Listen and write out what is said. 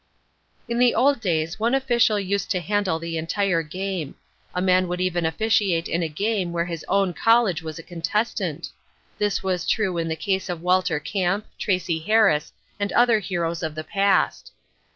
] In the old days one official used to handle the entire game. A man would even officiate in a game where his own college was a contestant. This was true in the case of Walter Camp, Tracy Harris, and other heroes of the past.